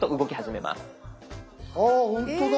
あほんとだ。